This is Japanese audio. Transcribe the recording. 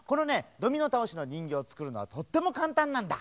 ドミノたおしのにんぎょうをつくるのはとってもかんたんなんだ。